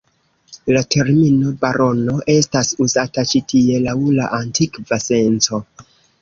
La termino barono estas uzata ĉi-tie laŭ la antikva senco.